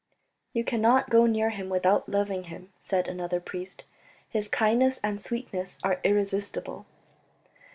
"You cannot go near him without loving him," said another priest, "his kindness and sweetness are irresistible."